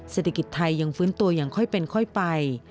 เศรษฐกิจไทยยังฟื้นตัวอย่างค่อยเป็นค่อยไป